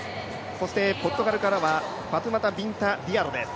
そしてポルトガルからはファトゥマタビンタ・ディアロです。